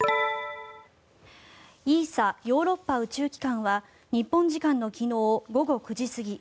ＥＳＡ・ヨーロッパ宇宙機関は日本時間の昨日午後９時過ぎ